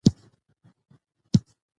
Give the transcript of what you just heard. د جاوید اختر خبرې مه ژباړئ ځکه علمي نه دي.